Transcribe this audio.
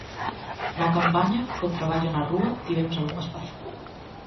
Na campaña, co traballo na rúa, tivemos algún espazo.